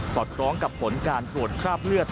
อดคล้องกับผลการตรวจคราบเลือด